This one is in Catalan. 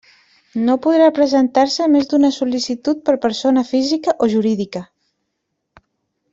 No podrà presentar-se més d'una sol·licitud per persona física o jurídica.